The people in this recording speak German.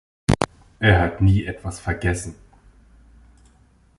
Er hat nie etwas vergessen.